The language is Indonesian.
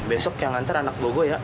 besok yang nanti anak gue ya